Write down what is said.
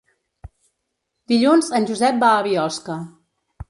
Dilluns en Josep va a Biosca.